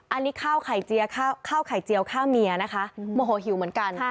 อันนี้ข้าวไข่เจียวข้าวเมียนะคะโมโหหิวเหมือนกัน